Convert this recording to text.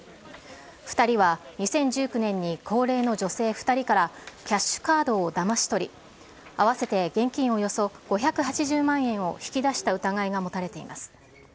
２人は２０１９年に高齢の女性２人からキャッシュカードをだまし取り、合わせて現金およそ５８０万円を引き出した疑いが持たれています。